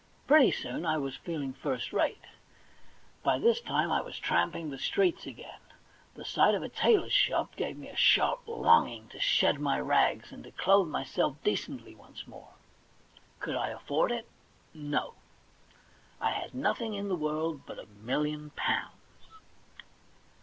Pretty soon I was feeling first rate. By this time I was tramping the streets again. The sight of a tailor shop gave me a sharp longing to shed my rags, and to clothe myself decently once more. Could I afford it? No; I had nothing in the world but a million pounds.